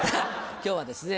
今日はですね